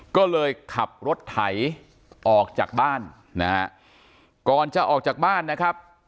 ก็เลยขับรถไถออกจากบ้านนะฮะก่อนจะออกจากบ้านนะครับ